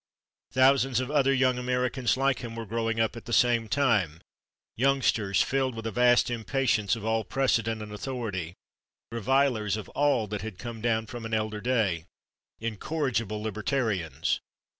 [Pg066] Thousands of other young Americans like him were growing up at the same time youngsters filled with a vast impatience of all precedent and authority, revilers of all that had come down from an elder day, incorrigible libertarians.